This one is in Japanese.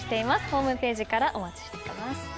ホームページからお待ちしています。